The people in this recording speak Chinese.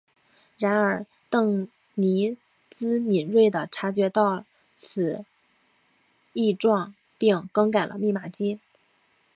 然而邓尼兹敏锐地感觉到此异状并更改了密码机。